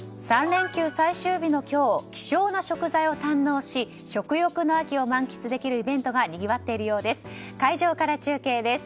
３連休最終日の今日希少な食材を堪能し食欲の秋を満喫できるイベントがにぎわっているようです。